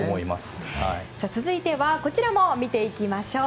続いてはこちらも見ていきましょう。